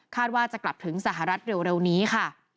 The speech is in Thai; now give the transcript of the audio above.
ว่าจะกลับถึงสหรัฐเร็วนี้ค่ะ